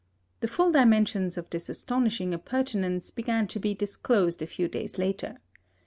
The full dimensions of this astonishing appurtenance began to be disclosed a few days later.